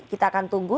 kita akan tunggu